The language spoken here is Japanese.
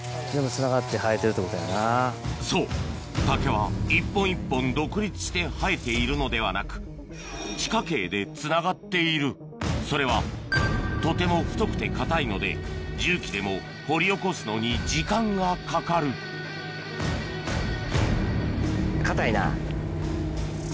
そう竹は一本一本独立して生えているのではなく地下茎でつながっているそれはとても太くて硬いので重機でも掘り起こすのに時間がかかる硬いな。